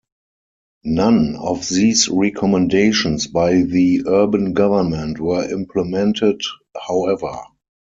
None of these recommendations by the urban government were implemented however.